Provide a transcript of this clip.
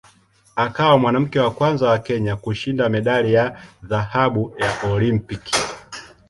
Akawa mwanamke wa kwanza wa Kenya kushinda medali ya dhahabu ya Olimpiki.